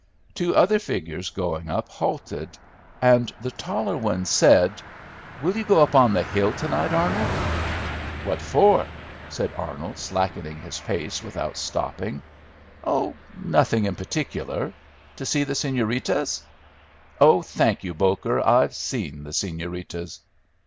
Two other figures going up halted, and the taller one said, "Will you go up on the hill, to night, Arnold?" "What for?" said Arnold, slackening his pace without stopping. "Oh, nothing in particular, to see the señoritas." "Oh, thank you, Boker, I've seen the señoritas."